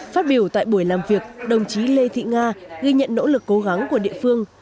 phát biểu tại buổi làm việc đồng chí lê thị nga ghi nhận nỗ lực cố gắng của địa phương